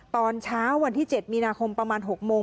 ตอนเช้าวันที่๗มีนาคมประมาณ๖โมง